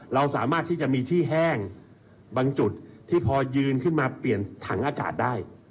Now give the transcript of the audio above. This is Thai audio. เราสามารถที่จะมีที่แห้งบางจุดที่พอยืนขึ้นมาเปลี่ยนถังอากาศได้